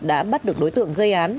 đã bắt được đối tượng gây án